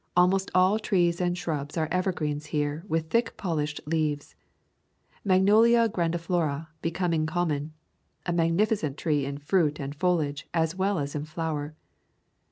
Almost all trees and shrubs are evergreens here with thick polished leaves. Magnolia grandiflora becoming common. A magnificent tree in fruit and foli age as well as in flower.